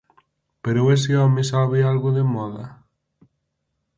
Pero ese home sabe algo de moda?